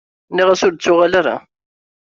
Nniɣ-as ur d-ttuɣal ara.